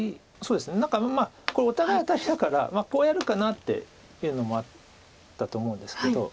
何かまあこれお互いアタリだからこうやるかなっていうのもあったと思うんですけど。